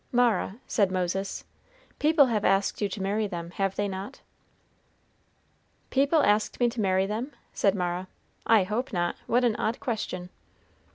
"Mara," said Moses, "people have asked you to marry them, have they not?" "People asked me to marry them!" said Mara. "I hope not. What an odd question!"